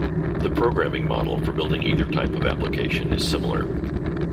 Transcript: The programming model for building either type of application is similar.